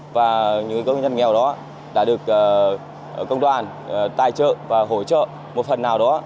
và những công nhân nghèo đó đã được công đoàn tài trợ và hỗ trợ một phần nào đó